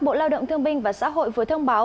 bộ lao động thương binh và xã hội vừa thông báo